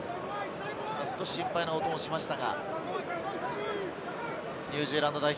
少し心配な音がしました。